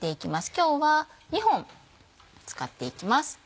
今日は２本使っていきます。